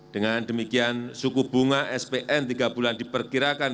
dengan demikian suku bunga spn tiga bulan diperkirakan